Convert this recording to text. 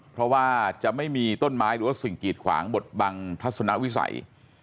เพราะว่าจะไม่มีต้นไม้หรือว่าสิ่งกีดขวางบทบังทัศนวิสัย